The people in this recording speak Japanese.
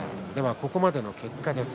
ここまでの結果です。